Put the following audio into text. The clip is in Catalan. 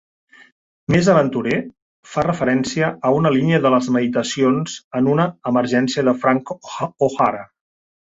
"Més Aventurer" fa referència a una línia de les Meditacions en una Emergència de Frank O'Hara.